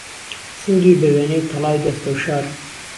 سنگی به وێنەی تەڵای دهستهوشار